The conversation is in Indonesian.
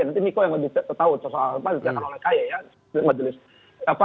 nanti miko yang mau ditetahui soal apa yang ditetahui oleh kaye ya